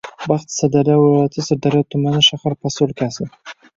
Baxt -Sirdaryo viloyati Sirdaryo tumani, shahar posyolkasi.